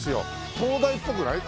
東大っぽくない？